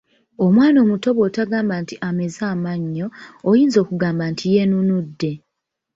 Omwana omuto bwotogamba nti ameze amannyo, oyinza okugamba nti yenenudde.